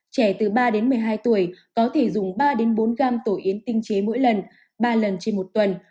trẻ từ ba đến một mươi hai tuổi có thể dùng ba bốn gram tổ yến tinh chế mỗi lần ba lần trên một tuần